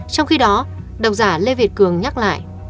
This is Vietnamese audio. trong khi đó độc giả lê việt cường nhắc lại